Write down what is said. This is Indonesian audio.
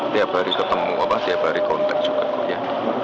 tiap hari ketemu bapak tiap hari kontak juga ya